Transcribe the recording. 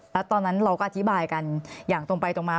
แล้วตอนนั้นเราก็อธิบายกันอย่างตรงไปตรงมา